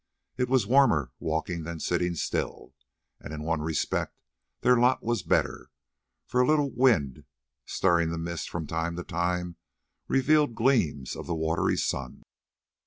It was warmer walking than sitting still, and in one respect their lot was bettered, for a little wind stirring the mist from time to time revealed gleams of the watery sun.